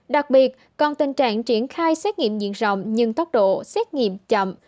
đặc biệt còn tình trạng triển khai xét nghiệm diện rộng nhưng tốc độ xét nghiệm chậm